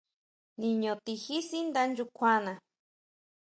Niño tijí sínda nyukjuana.